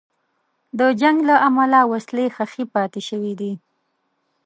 د جنګ له امله وسلې ښخي پاتې شوې.